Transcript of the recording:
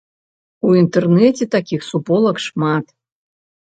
У інтэрнэце такіх суполак шмат.